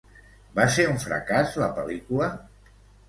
Va ser un fracàs la pel·lícula?